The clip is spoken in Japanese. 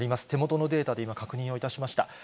手元のデータで今、確認をいたしました。